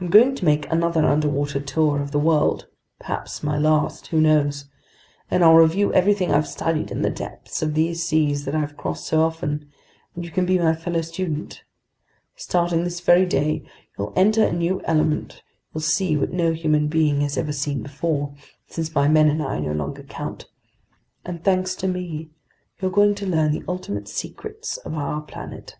I'm going to make another underwater tour of the world—perhaps my last, who knows?—and I'll review everything I've studied in the depths of these seas that I've crossed so often, and you can be my fellow student. Starting this very day, you'll enter a new element, you'll see what no human being has ever seen before—since my men and I no longer count—and thanks to me, you're going to learn the ultimate secrets of our planet."